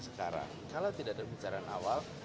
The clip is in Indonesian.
sekarang kalau tidak ada pembicaraan awal